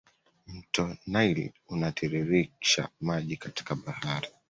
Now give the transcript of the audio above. Mto nile unatiririsha maji katika bahari